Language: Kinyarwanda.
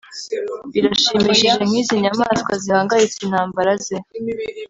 Birashimishije nkizi nyamaswa zihangayitse intambara ze